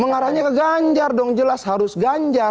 mengarahnya ke ganjar dong jelas harus ganjar